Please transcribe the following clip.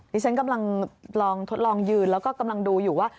ที่ฉันกำลังลองทดลองยืนแล้วก็กำลังดูอยู่ว่า